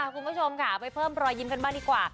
คุณผู้ชมค่ะไปเพิ่มรอยยิ้มกันบ้างดีกว่า